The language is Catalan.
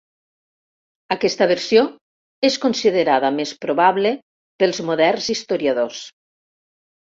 Aquesta versió és considerada més probable pels moderns historiadors.